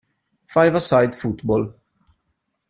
Five-a-Side Football